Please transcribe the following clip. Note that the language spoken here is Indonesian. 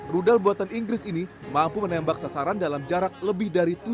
rudal buatan inggris ini mampu menembak sasaran dalam jarak lebih dari